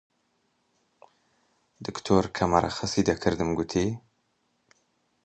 دکتۆر کە مەرەخەسی دەکردم گوتی: